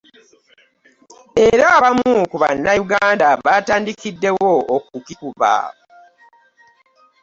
Era abamu ku Bannayuganda batandikiddewo okukikuba.